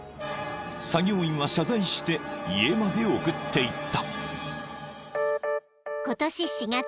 ［作業員は謝罪して家まで送っていった］